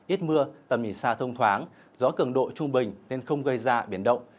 ít mưa tầm mì xa thông thoáng gió cường độ trung bình nên không gây ra biển động